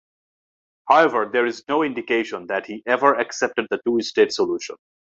However, there is no indication that he ever accepted the two-state solution.